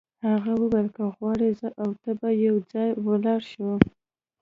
هغه وویل که غواړې زه او ته به یو ځای ولاړ شو.